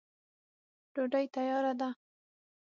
ډوډۍ تیاره ده.